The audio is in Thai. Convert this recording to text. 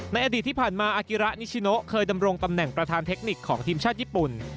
อดีตที่ผ่านมาอากิระนิชิโนเคยดำรงตำแหน่งประธานเทคนิคของทีมชาติญี่ปุ่น